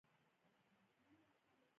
د افغانستان ماشومان سوله غواړي